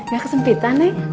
gak kesempitan nek